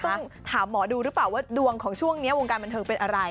ต้องถามหมอดูหรือเปล่าว่าดวงของช่วงนี้วงการบันเทิงเป็นอะไร